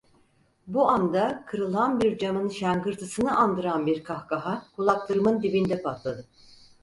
Bu anda, kırılan bir camın şangırtısını andıran bir kahkaha kulaklarımın dibinde patladı.